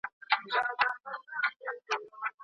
انارګل په خپل اوږد لرګي سره د دښتې خاموشي ماته کړه.